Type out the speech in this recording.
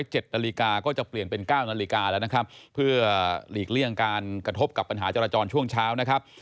หลีกเลี่ยงการกระทบกับปัญหาจรจรช่วงเช้านะครับ